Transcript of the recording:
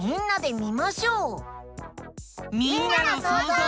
みんなのそうぞう。